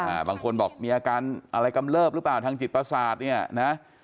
บางคนบอกมีอาการอะไรกำเลิบหรือเปล่าทางจิตประสาทเนี่ยนะ